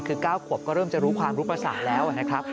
คือก้าวขวบก็เริ่มจะรู้ความรู้ประสานแล้ว